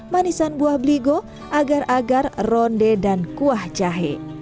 manisan buah bligo agar agar ronde dan kuah jahe